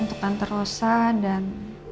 untuk anter rosa dan